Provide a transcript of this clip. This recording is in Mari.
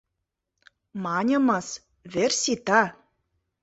— Маньымыс: вер сита.